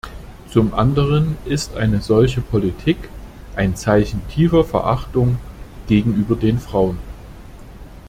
Zum anderen ist eine solche Politik ein Zeichen tiefer Verachtung gegenüber den Frauen.